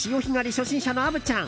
初心者の虻ちゃん